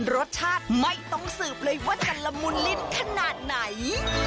รสชาติไม่ต้องสืบเลยว่าจะละมุนลิ้นขนาดไหน